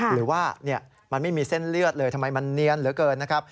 หรือว่ามันไม่มีเส้นเลือดเลยทำไมมันเนียนเหลือเกินนะครับ